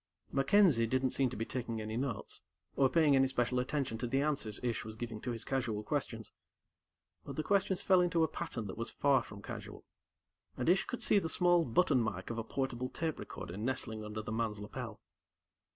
MacKenzie didn't seem to be taking any notes, or paying any special attention to the answers Ish was giving to his casual questions. But the questions fell into a pattern that was far from casual, and Ish could see the small button mike of a portable tape recorder nestling under the man's lapel.